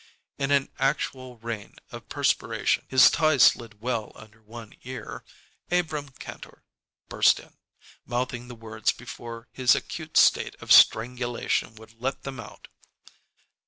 In an actual rain of perspiration, his tie slid well under one ear, Abrahm Kantor burst in, mouthing the words before his acute state of strangulation would let them out.